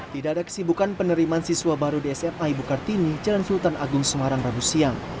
tidak ada kesibukan penerimaan siswa baru di sma ibu kartini jalan sultan agung semarang rabu siang